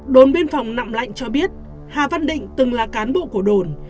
đồn biên phòng nậm lạnh cho biết hà văn định từng là cán bộ của đồn